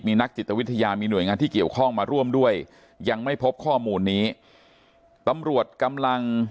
นักจิตวิทยามีหน่วยงานที่เกี่ยวข้องมาร่วมด้วยยังไม่พบข้อมูลนี้ตำรวจกำลัง